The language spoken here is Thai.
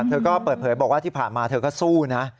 เธอก็เปิดเผยบอกว่าที่ผ่านมาเธอก็สู้นะ